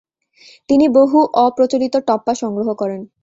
তিনি বহু অপ্রচলিত টপ্পা সংগ্রহ করেন।